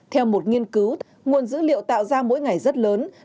theo một nghiên cứu nguồn dữ liệu tạo ra mỗi ngày rất lớn